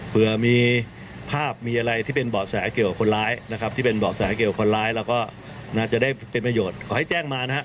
เผื่อมีภาพมีอะไรที่เป็นบอกแสเกี่ยวกับคนร้ายแล้วก็น่าจะได้เป็นประโยชน์